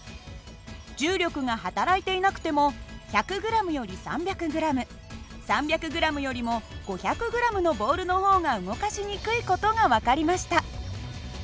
重力が働いていなくても１００ｇより３００ｇ３００ｇよりも５００ｇのボールの方が動かしにくい事が分かりました。